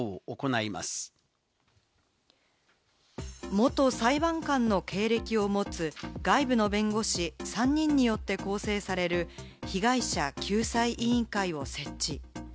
元裁判官の経歴を持つ外部の弁護士３人によって構成される被害者救済委員会の設置。